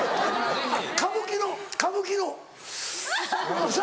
歌舞伎の歌舞伎のス。